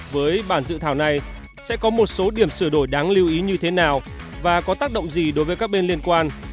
với bản dự thảo này sẽ có một số điểm sửa đổi đáng lưu ý như thế nào và có tác động gì đối với các bên liên quan